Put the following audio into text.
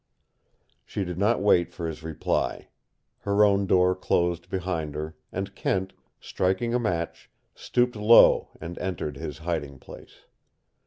She did not wait for his reply. Her own door closed behind her, and Kent, striking a match, stooped low and entered his hiding place.